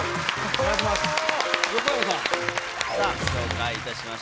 お願いします